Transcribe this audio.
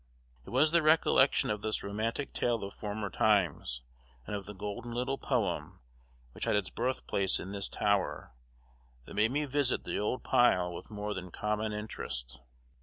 It was the recollection of this romantic tale of former times, and of the golden little poem, which had its birthplace in this tower, that made me visit the old pile with more than common interest.